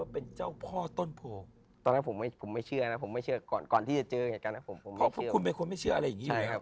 เพราะว่าคุณเป็นคนไม่เชื่ออะไรอย่างนี้เลย